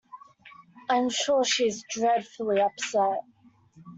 I'm sure she is dreadfully upset.